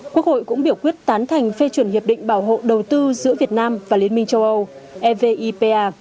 quốc hội cũng biểu quyết tán thành phê chuẩn hiệp định bảo hộ đầu tư giữa việt nam và liên minh châu âu evipa